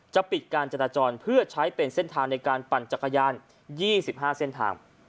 ปิดการจราจรเพื่อใช้เป็นเส้นทางในการปั่นจักรยาน๒๕เส้นทาง